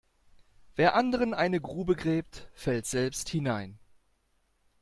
Wer anderen eine Grube gräbt, fällt selbst hinein.